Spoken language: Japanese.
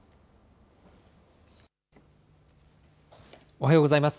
おはようございます。